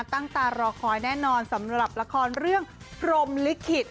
ตั้งตารอคอยแน่นอนสำหรับละครเรื่องพรมลิขิต